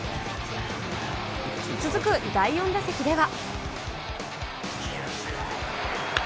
続く第４打席では。